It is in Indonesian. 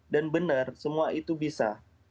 benar semua itu bisa